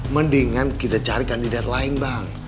mendingan kita cari kandidat lain bang